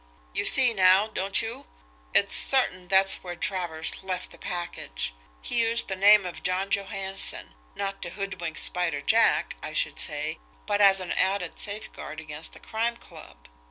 You see now, don't you? It's certain that's where Travers left the package. He used the name of John Johansson, not to hoodwink Spider Jack, I should say, but as an added safeguard against the Crime Club.